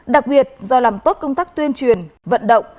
đặc biệt do làm tốt công tác tuyên truyền vận động